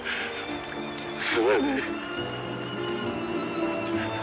すまねえ！